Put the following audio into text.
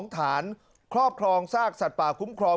ฐานครอบครองซากสัตว์ป่าคุ้มครอง